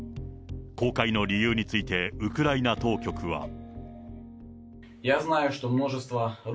公開の理由について、ウクライナ当局は。